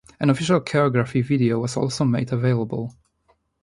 An official choreography video was also made available.